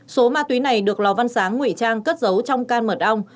số ma túy này được lò văn sáng ngụy trang cất giấu trong can mật ong